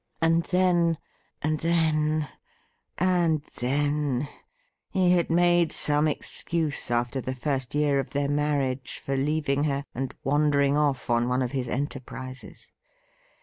And then — and then — and then he had made some excuse, after the first year of their marriage, for leaving her and wandering off on one of his entei prises.